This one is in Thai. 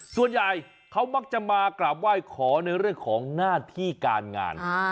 ส่วนใหญ่เขามักจะมากราบไหว้ขอในเรื่องของหน้าที่การงาน